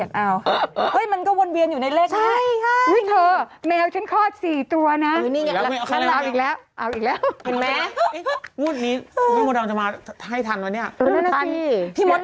อ๋อแล้วก็ซื้อทะเบียนรถตัวเองด้วยไง